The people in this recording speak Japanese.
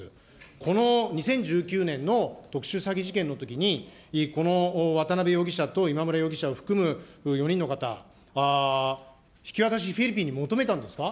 この２０１９年の特殊詐欺事件のときに、この渡邉容疑者と今村容疑者を含む４人の方、引き渡し、フィリピンに求めたんですか。